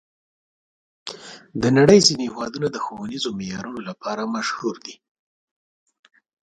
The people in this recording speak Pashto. د نړۍ ځینې هېوادونه د ښوونیزو معیارونو لپاره مشهور دي.